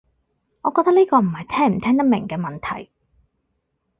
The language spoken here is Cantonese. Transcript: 我覺得呢個唔係聽唔聽得明嘅問題